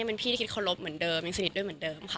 เป็นพี่ที่คิดขอบเริ่มเหมือนเดิมสฤษด้วยเหมือนเดิมค่ะ